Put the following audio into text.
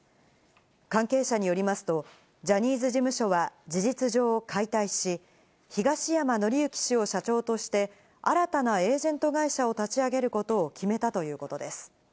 関係者によりますと、ジャニーズ事務所は事実上解体し、東山紀之氏を社長として、新たなエージェント会社を立ち上げることを決めたということです。